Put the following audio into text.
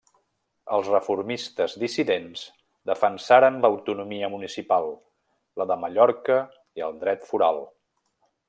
Els reformistes dissidents defensaren l'autonomia municipal, la de Mallorca i el dret foral.